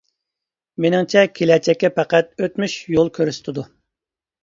مېنىڭچە كېلەچەككە پەقەت ئۆتمۈش يول كۆرسىتىدۇ.